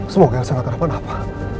semoga elsa gak terdapat apa